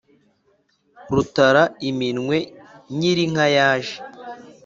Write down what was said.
rutara iminwe nyir’inka yaje,